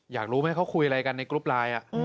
อยากรู้ไหมเขาคุยอะไรกันในกรุ๊ปไลน์